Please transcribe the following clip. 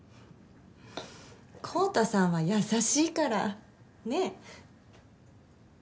昂太さんは優しいから。ねぇ？